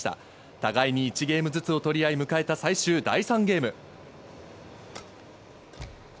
互いに１ゲームずつ取り合い、迎えた最終第３ゲーム。